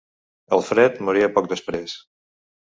Alfred moria poc després.